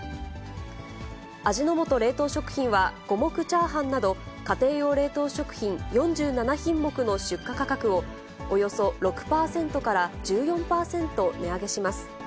味の素冷凍食品は、五目炒飯など、家庭用冷凍食品４７品目の出荷価格を、およそ６％から１４％値上げします。